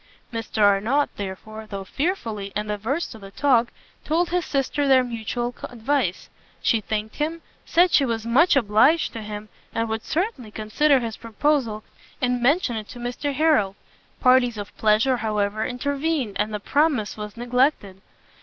Mr Arnott, therefore, though fearfully, and averse to the talk, told his sister their mutual advice. She thanked him, said she was much obliged to him, and would certainly consider his proposal, and mention it to Mr Harrel. Parties of pleasure, however, intervened, and the promise was neglected.